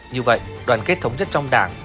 như vậy đoàn kết thống nhất trong đảng